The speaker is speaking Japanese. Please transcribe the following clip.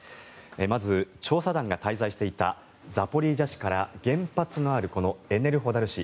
まず、調査団が滞在していたザポリージャ市から原発のあるこのエネルホダル市。